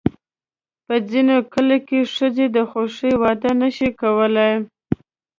په ځینو کلیو کې ښځې د خوښې واده نه شي کولی.